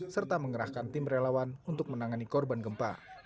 serta mengerahkan tim relawan untuk menangani korban gempa